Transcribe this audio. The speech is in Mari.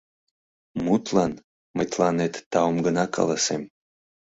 Мутлан, мый тыланет таум гына каласем.